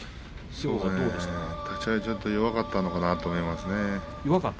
そうですね、立ち合いちょっと弱かったのかなと思いますね。